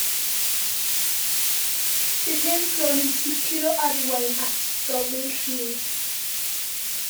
Bydd hyn bron yn sicr o arwain at ddolur rhydd.